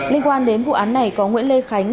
liên quan đến vụ án này